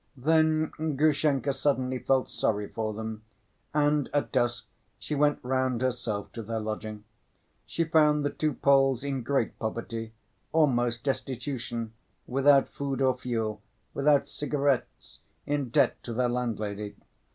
Then Grushenka suddenly felt sorry for them, and at dusk she went round herself to their lodging. She found the two Poles in great poverty, almost destitution, without food or fuel, without cigarettes, in debt to their landlady.